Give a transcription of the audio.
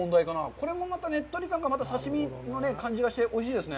これもまた、ねっとり感が刺身の感じがしておいしいですね。